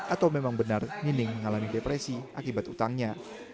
atau memang benar nining mengalami depresi akibat utangnya